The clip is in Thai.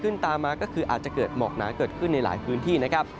ในหลายพื้นที่นะครับ